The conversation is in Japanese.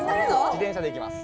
自転車で行きます。